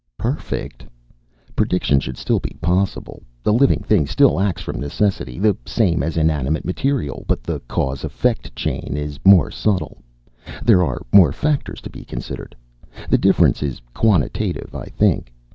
"Perfect? Prediction should still be possible. A living thing still acts from necessity, the same as inanimate material. But the cause effect chain is more subtle; there are more factors to be considered. The difference is quantitative, I think.